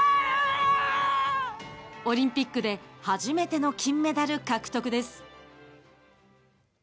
オリンピックで初めての金メダル獲得です。